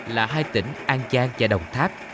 là hai tỉnh an trang và đồng tháp